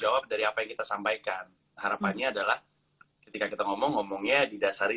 jawab dari apa yang kita sampaikan harapannya adalah ketika kita ngomong ngomongnya didasari